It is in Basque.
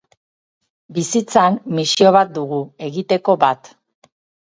Bizitzan misio bat dugu, egiteko bat.